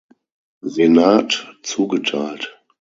Senat zugeteilt.